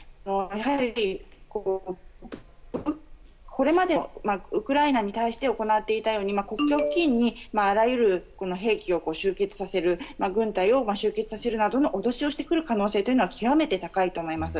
これまでウクライナに対して行っていたように国境付近にあらゆる兵器を集結させる軍隊を集結させるなどの脅しをしてくる可能性というのは極めて高いと思います。